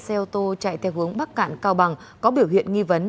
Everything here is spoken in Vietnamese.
xe ô tô chạy theo hướng bắc cạn cao bằng có biểu hiện nghi vấn